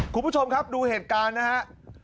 คุณผู้ชมครับดูเหตุการณ์นะครับ